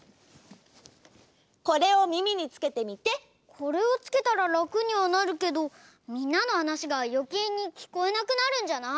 これをつけたららくにはなるけどみんなのはなしがよけいにきこえなくなるんじゃない？